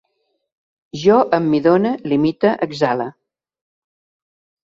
Jo emmidone, limite, exhale